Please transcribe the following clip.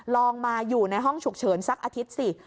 ลองมาอยู่ในห้องฉุกเฉินสักอาทิตย์สิ